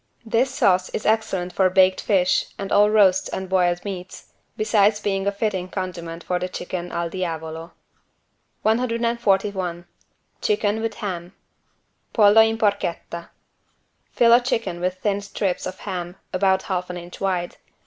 This sauce is excellent for baked fish and all roasts and boiled meats, besides being a fitting condiment for the chicken "al diavolo". 141 CHICKEN WITH HAM (Pollo in porchetta) Fill a chicken with thin strips of ham, about half an inch wide.